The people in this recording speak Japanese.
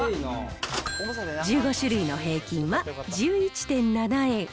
１５種類の平均は１１．７円。